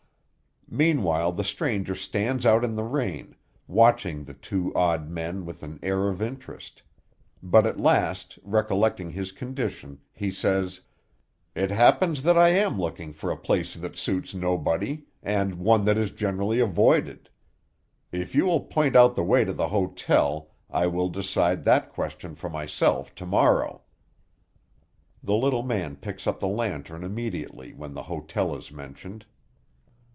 Meanwhile the stranger stands out in the rain, watching the two odd men with an air of interest; but at last, recollecting his condition, he says, "It happens that I am looking for a place that suits nobody, and one that is generally avoided. If you will point out the way to the hotel, I will decide that question for myself to morrow." The little man picks up the lantern immediately when the hotel is mentioned.